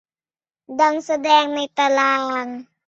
ดังแสดงในตาราง